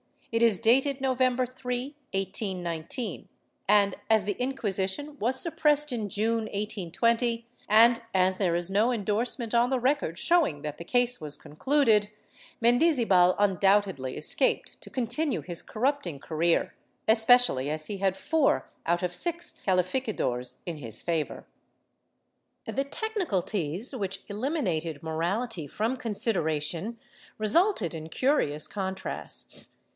It is dated November 3, 1819, and, as the Inquisition was suppressed in June, 1820, and as there is no endorsement on the record showing that the case was concluded, Mendizabal undoubtedly escaped to continue his corrupting career, especially as he had four out of six calificadores in his favor.^ Tlie technicalties, which eliminated morality from consideration, resulted in curious contrasts.